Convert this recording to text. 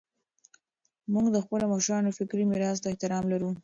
موږ د خپلو مشرانو فکري میراث ته احترام لرو.